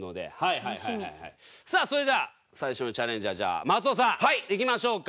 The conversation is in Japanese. さあそれでは最初のチャレンジャーじゃあ松尾さんいきましょうか。